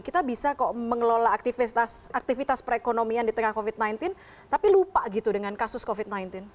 kita bisa kok mengelola aktivitas perekonomian di tengah covid sembilan belas tapi lupa gitu dengan kasus covid sembilan belas